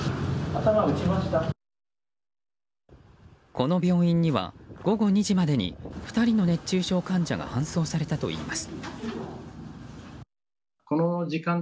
この病院には午後２時までに２人の熱中症患者が搬送されたといいます。